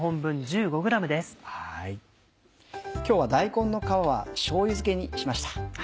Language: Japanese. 今日は大根の皮はしょうゆ漬けにしました。